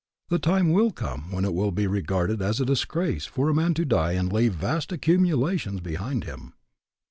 The time will come when it will be regarded as a disgrace for a man to die and leave vast accumulations behind him.